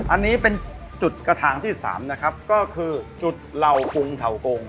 อันนี้เป็นจุดกระถางที่๓นะครับก็คือจุดเหล่ากุงเถากง